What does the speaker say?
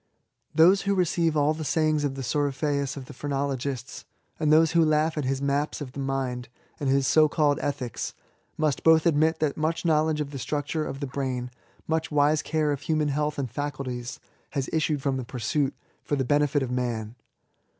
Those who receiye all the sajdngs of the Coryphaeus of the phrenologists, and those who laugh at his maps of the mind and his so called ethics, must hoik admit that much knowledge of the structure of the brain, much wise care of human health and faculties, has issued from the pursuit, for the benefit of man.